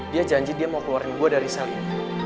dia janji dia mau keluarin gue dari sel ini